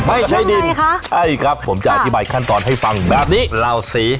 ไม่ใช่ดินคะใช่ครับผมจะอธิบายขั้นตอนให้ฟังแบบนี้เหล่าสี